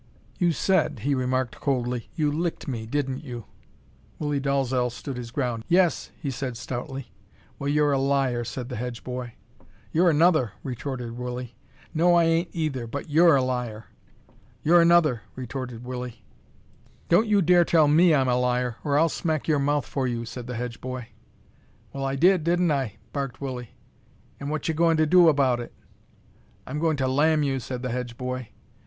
"You said," he remarked, coldly, "you licked me, didn't you?" Willie Dalzel stood his ground. "Yes," he said, stoutly. "Well, you're a liar," said the Hedge boy. "You're another," retorted Willie. "No, I ain't, either, but you're a liar." "You're another," retorted Willie. "Don't you dare tell me I'm a liar, or I'll smack your mouth for you," said the Hedge boy. "Well, I did, didn't I?" barked Willie. "An' whatche goin' to do about it?" "I'm goin' to lam you," said the Hedge boy.